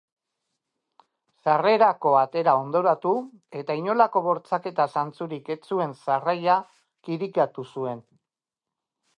Sarrerako atera ondoratu eta inolako bortxaketa zantzurik ez zuen sarraila kirikatu zuen.